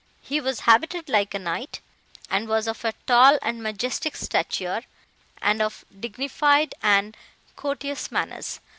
He was habited like a knight, was of a tall and majestic stature, and of dignified and courteous manners.